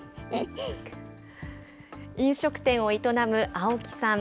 飲食店を営む青木さん。